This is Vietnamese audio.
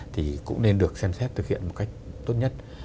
thì cũng nên được xem xét thực hiện một cách tốt nhất